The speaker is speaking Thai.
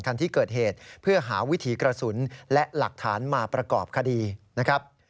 คันที่เกิดเหตุเพื่อหาวิถีกระสุนและหลักฐานมาประกอบคดีนะครับ